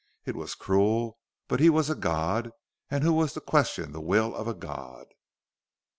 It was cruel, but he was a god; and who was to question the will of a god?